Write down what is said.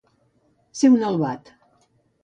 Ser un albat.